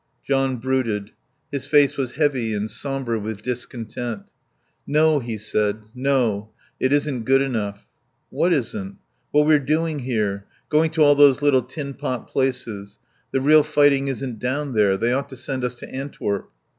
John brooded. His face was heavy and sombre with discontent. "No," he said. "No. It isn't good enough." "What isn't?" "What we're doing here. Going to all those little tin pot places. The real fighting isn't down there. They ought to send us to Antwerp."